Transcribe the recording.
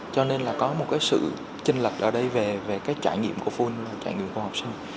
cho nên là có một cái sự chân lật ở đây về cái trải nghiệm của phụ huynh trải nghiệm của học sinh